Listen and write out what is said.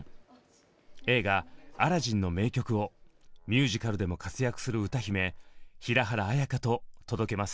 映画「アラジン」の名曲をミュージカルでも活躍する歌姫平原綾香と届けます。